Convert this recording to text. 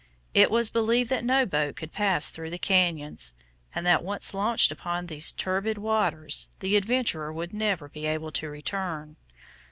It was believed that no boat could pass through the cañons, and that once launched upon those turbid waters, the adventurer would never be able to return.